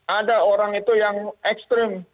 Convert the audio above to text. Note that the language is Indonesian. ada orang itu yang ekstrim